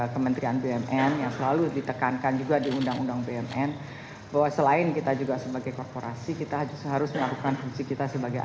kementerian keuangan telah melakukan upaya upaya